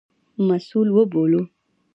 مسوول وبولو.